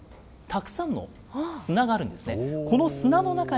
下にたくさんの砂があるんですね。